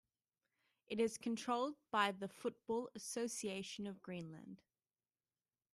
It is controlled by the Football Association of Greenland.